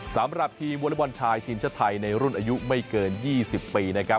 สำหรับทีมวอเล็กบอลชายทีมชาติไทยในรุ่นอายุไม่เกิน๒๐ปีนะครับ